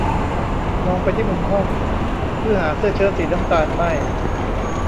มองไปที่มุมห้อง เพื่อหาเสื้อเชิ๊ตสีน้ำตาลไหม้